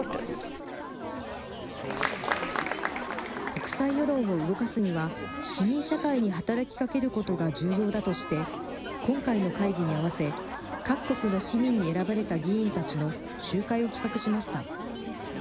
国際世論を動かすには、市民社会に働きかけることが重要だとして、今回の会議に合わせ、各国の市民に選ばれた議員たちの集会を企画しました。